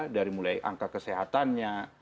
dari mulai angka kesehatannya